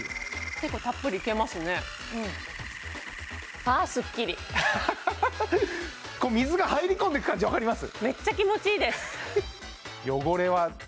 結構たっぷりいけますね水が入り込んでいく感じわかります？